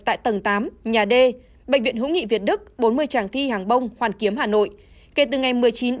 tại tầng tám nhà d bệnh viện hữu nghị việt đức bốn mươi tràng thi hàng bông hoàn kiếm hà nội kể từ ngày một mươi chín tháng